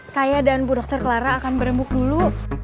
saya dan bu dokter clara akan berembuk dulu